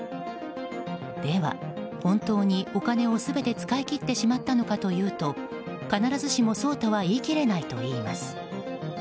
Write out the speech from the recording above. では、本当にお金を全て使い切ってしまったのかというと必ずしもそうとは言い切れないといいます。